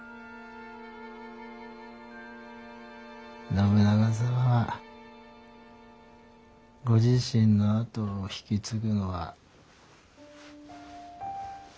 信長様はご自身のあとを引き継ぐのは。